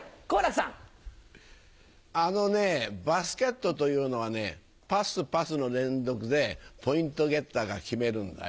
あのね、バスケットというのはね、パス、パスの連続でポイントゲッターが決めるんだよ。